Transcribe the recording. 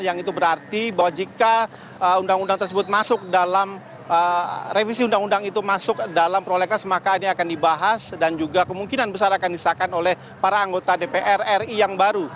yang itu berarti bahwa jika undang undang tersebut masuk dalam revisi undang undang itu masuk dalam prolegnas maka ini akan dibahas dan juga kemungkinan besar akan disahkan oleh para anggota dpr ri yang baru